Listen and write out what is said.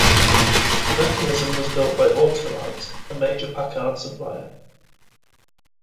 The mechanism was built by Auto-Lite, a major Packard supplier.